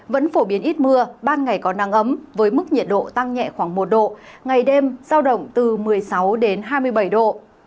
vẫn phổ biến ít mưa ban ngày có nắng ấm với mức nhiệt độ tăng nhẹ khoảng một độ ngày đêm giao động từ một mươi sáu đến hai mươi bảy độ